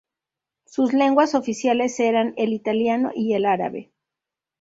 Sus lenguas oficiales eran el italiano y el árabe.